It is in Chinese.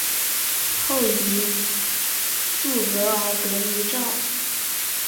后移驻额尔德尼召。